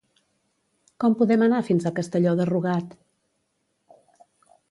Com podem anar fins a Castelló de Rugat?